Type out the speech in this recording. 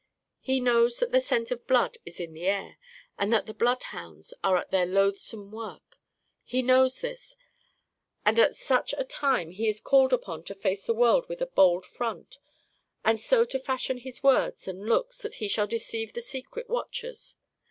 He knows that the scent of blood is in the air, and that the bloodhounds are at their loathsome work. He knows this; and at such a time he is called upon to face the world with a bold front, and so to fashion his words and looks that he shall deceive the secret watchers.